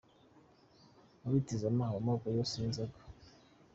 Muri Tizama haba amoko yose y'inzoga.